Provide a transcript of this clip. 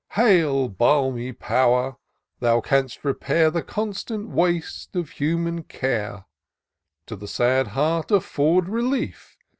Hail ! balmy power ! that canst repair The constant waste of human care ; To the sad heart afibrd relief.